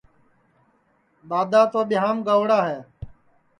دؔادؔا تو ٻِہِیام گئوڑا ہے